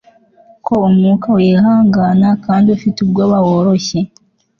Ko umwuka wihangana kandi ufite ubwoba woroshye